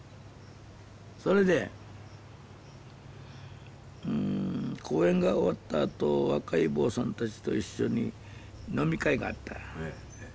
それでうん講演が終わったあと若い坊さんたちと一緒に飲み会があった。